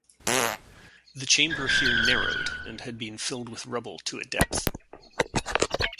The chamber here narrowed and had been filled with rubble to a depth.